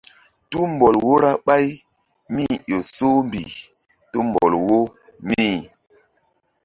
Tumbɔl wo ra ɓáy mí-i ƴo soh mbih tumbɔl wo mí.